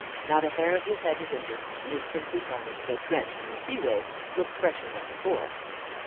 Not a hair of his head is injured, and his princely garments, though drenched in the sea waves, look fresher than before."